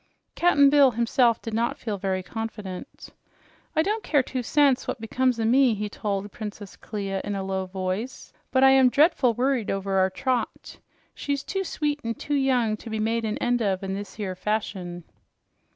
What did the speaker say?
Cap'n Bill himself did not feel very confident. "I don't care two cents what becomes o' me," he told Princess Clia in a low voice, "but I'm drea'ful worried over our Trot. She's too sweet an' young to be made an end of in this 'ere fashion."